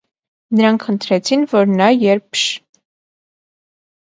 Նրանք խնդրեցին, որ նա, երբ Շ…